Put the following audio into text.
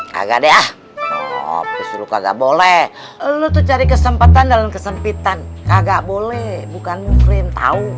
kagak deh ah abis lu kagak boleh lu tuh cari kesempatan dalam kesempitan kagak boleh bukan mumprim tau